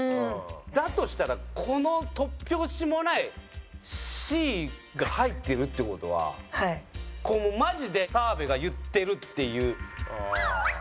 だとしたらこの突拍子もないＣが入ってるっていう事はマジで澤部が言ってるっていう可能性もある。